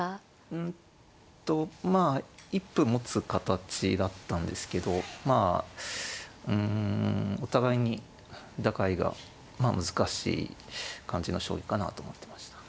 うんとまあ一歩持つ形だったんですけどまあうんお互いに打開が難しい感じの将棋かなと思ってました。